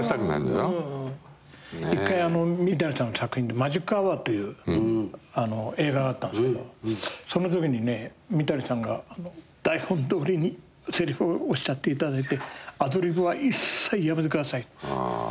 一回三谷さんの作品で『マジックアワー』っていう映画があったんですけどそのときにね三谷さんが「台本どおりにセリフをおっしゃっていただいてアドリブは一切やめてください」